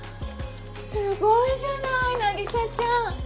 すごいじゃない凪沙ちゃん！